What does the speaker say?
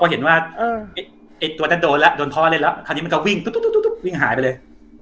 ปลอดภัยว่าไอ้ตัวแล้วโดดอนเธอเลยหรือไม่บัดกลยสิอย่างหายไปเลย